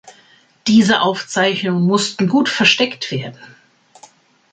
Diese Aufzeichnungen mussten gut versteckt werden.